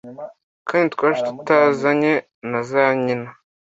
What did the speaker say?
kandi twaje tutazanye na za nyina.